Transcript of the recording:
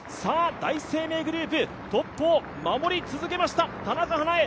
第一生命グループトップを守る続けました、田中華絵